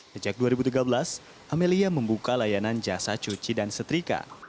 sejak dua ribu tiga belas amelia membuka layanan jasa cuci dan setrika